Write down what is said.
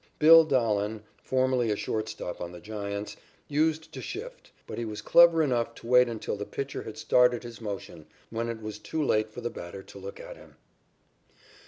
Bill Dahlen, formerly a shortstop on the Giants, used to shift, but he was clever enough to wait until the pitcher had started his motion, when it was too late for the batter to look at him.